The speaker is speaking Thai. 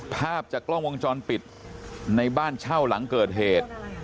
ภาพจากกล้องวงจรปิดในบ้านเช่าหลังเกิดเหตุ